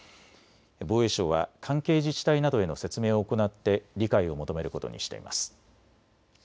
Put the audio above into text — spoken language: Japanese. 防衛省は関係自治体などへの説明を行って理解を求めることにしています。